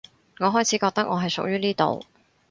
我開始覺得我係屬於呢度